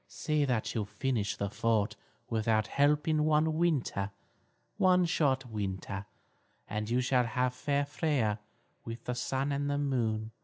See that you finish the fort without help in one winter, one short winter, and you shall have fair Freia with the Sun and Moon.